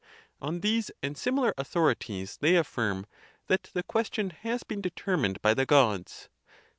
* On these and similar authorities they affirm that the ques tion has been determined by the Gods.